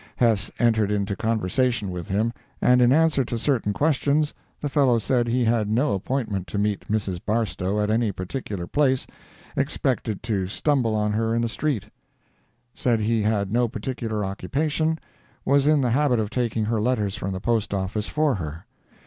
Hess entered into conversation with him, and in answer to certain questions, the fellow said he had no appointment to meet Mrs. Barstow at any particular place—expected to stumble on her in the street; said he had no particular occupation; was in the habit of taking her letters from the Post Office for her.